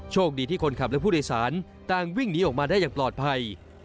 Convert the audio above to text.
คดีที่คนขับและผู้โดยสารต่างวิ่งหนีออกมาได้อย่างปลอดภัย